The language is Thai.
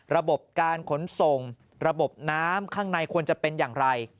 ระบบการขนส่งระบบน้ำข้างในควรจะเป็นอย่างไร